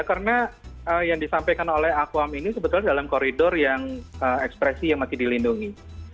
karena yang disampaikan oleh akuam ini sebetulnya dalam koridor yang ekspresi yang masih dilindungi